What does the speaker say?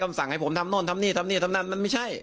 ก็สั่งให้ผมทำนู่นทำนี่ทำนั่นมันไม่ใช่